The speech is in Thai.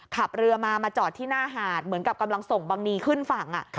ขับเรือมามาจอดที่หน้าหาดเหมือนกับกำลังส่งบังนีขึ้นฝั่ง